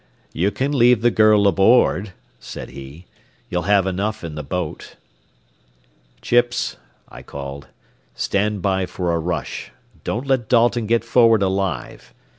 "You can leave the girl aboard," said he. "You'll have enough in the boat." "Chips," I called, "stand by for a rush. Don't let Dalton get forward alive.